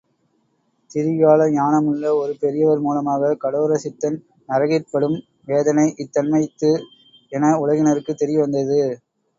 திரிகால ஞானமுள்ள ஒரு பெரியவர் மூலமாக கடோரசித்தன் நரகிற்படும் வேதனை இத்தன்மைத்து என உலகினருக்குத் தெரிய வந்தது.